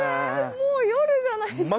もう夜じゃないですか。